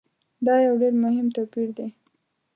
دا یو ډېر مهم توپیر دی.